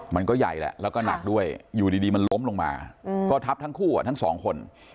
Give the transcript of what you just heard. มันก็ใหญ่แหละแล้วก็หนักด้วยอยู่ดีมันล้มลงมาก็ทับทั้งคู่ทั้งสองคน